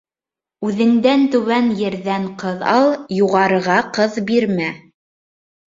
Үҙеңдән түбән ерҙән ҡыҙ ал, юғарыға ҡыҙ бирмә.